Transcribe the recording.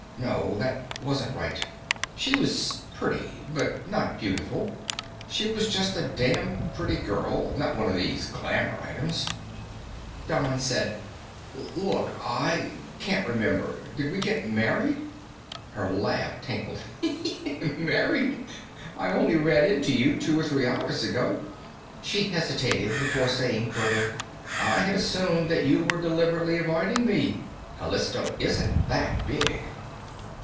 No, that wasn't right. She was pretty, but not beautiful. She was just a damn pretty girl, not one of these glamour items. Don said, "Look, I can't remember. Did we get married?" Her laugh tinkled. "Married! I only ran into you two or three hours ago." She hesitated before saying further, "I had assumed that you were deliberately avoiding me. Callisto isn't that big."